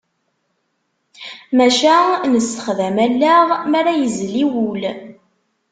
Maca nessexdam allaɣ mi ara yezli wul.